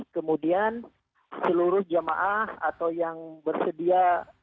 kemudian seluruh jemaah atau yang bersedia